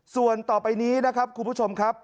ส่วนต่อไปนี้นะครับคุณผู้ชมครับ